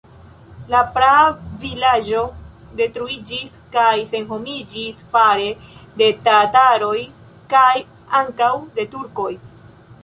La praa vilaĝo detruiĝis kaj senhomiĝis fare de tataroj kaj ankaŭ de turkoj.